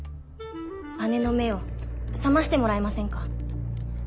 姉の目を覚ましてもらえませんか。